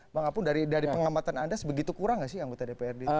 bang apung dari pengamatan anda sebegitu kurang nggak sih anggota dprd